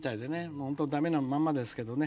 もう本当駄目なまんまですけどね。